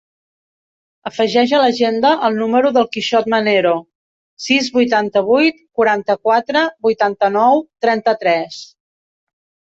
Afegeix a l'agenda el número del Quixot Manero: sis, vuitanta-vuit, quaranta-quatre, vuitanta-nou, trenta-tres.